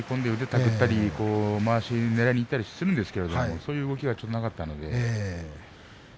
まわしをねらったりもするんですけどそういう動きがなかったので。